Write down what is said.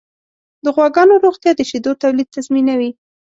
د غواګانو روغتیا د شیدو تولید تضمینوي.